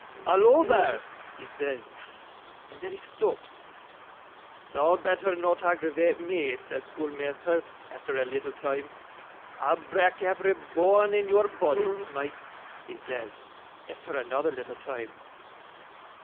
"Hallo, there," he says, and then he stops. "Thou'd betther not aggravate me," says schoolmeasther, efther a little time. "I'll brak' every boan in your boddy, Smike," he says, efther another little time.